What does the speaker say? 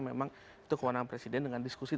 memang itu kewenangan presiden dengan diskusi